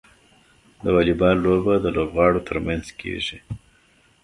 د واليبال لوبه د لوبغاړو ترمنځ کیږي.